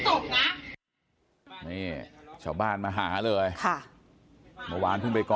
ถามไปนะจะเป็นอะไรข้างนอกมาเนี่ย